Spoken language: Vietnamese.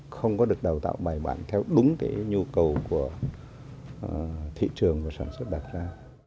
không có được đào tạo bài bản theo đúng cái nhu cầu của thị trường và sản xuất đặt ra